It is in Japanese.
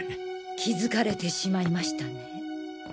気付かれてしまいましたね。